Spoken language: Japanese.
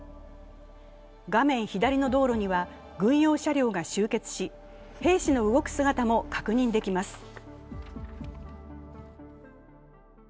画面左の道路には軍用車両が集結し兵士の動く姿も確認できます。